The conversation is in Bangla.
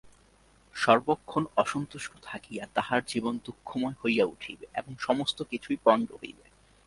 সর্বক্ষণ অসন্তুষ্ট থাকিয়া তাহার জীবন দুঃখময় হইয়া উঠিবে এবং সমস্ত কিছুই পণ্ড হইবে।